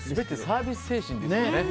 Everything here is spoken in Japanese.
サービス精神ですよね